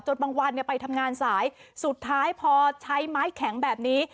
บางวันเนี่ยไปทำงานสายสุดท้ายพอใช้ไม้แข็งแบบนี้